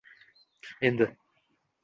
Endi